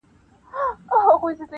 بې سپرلیه بې بارانه ګلان شنه کړي,